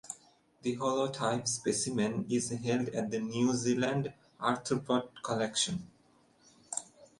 The holotype specimen is held at the New Zealand Arthropod Collection.